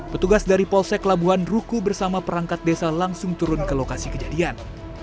petugas dari polsek labuhan ruku bersama perangkat desa langsung turun ke lokasi kejadian